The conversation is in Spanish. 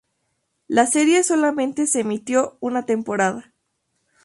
La serie solamente se emitió una temporada.